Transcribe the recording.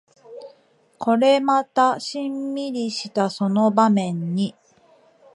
これまたシンミリしたその場面に